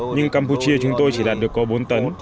nhưng campuchia chúng tôi chỉ đạt được có bốn tấn